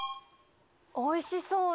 おいしそうな。